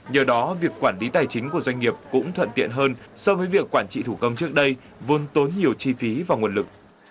nhờ đó việc quản lý tài chính của doanh nghiệp cũng thuận tiện hơn so với việc quản trị thủ công trước đây vốn tốn nhiều chi phí và nguồn lực